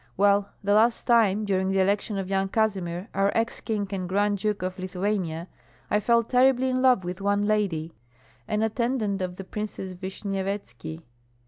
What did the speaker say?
Well, the last time, during the election of Yan Kazimir, our ex king and Grand Duke of Lithuania, I fell terribly in love with one lady, an attendant of the Princess Vishnyevetski.